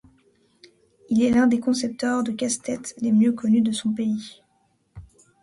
Il est l'un des concepteurs de casse-tête les mieux connus de son pays.